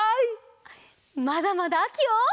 まだまだあきを。